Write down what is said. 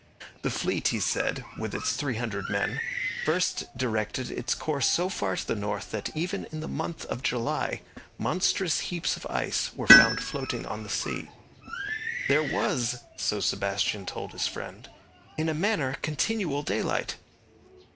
The fleet, he said, with its three hundred men, first directed its course so far to the north that, even in the month of July, monstrous heaps of ice were found floating on the sea. 'There was,' so Sebastian told his friend, 'in a manner, continual daylight.'